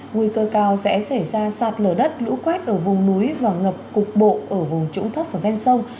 nguy cơ cao sẽ xảy ra sạt lở đất lũ quét ở vùng núi và ngập cục bộ ở vùng trũng thấp và ven sông